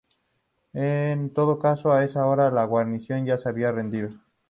En todo caso, a esa hora la guarnición ya se había rendido.